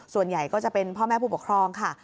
ส่วนใหญ่ก็จะเป็นพ่อแม่ผู้ปกครองค่ะ